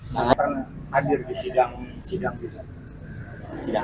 nggak pernah hadir di sidang sidang itu